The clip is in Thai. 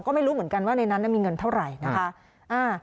ก็ไม่รู้เหมือนกันว่าในนั้นมีเงินเท่าไหร่นะคะ